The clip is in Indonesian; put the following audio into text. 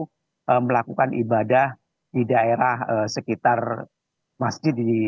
dan melakukan ibadah di daerah sekitar masjid